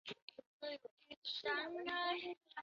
位于伦敦西敏市圣约翰伍德的阿比路。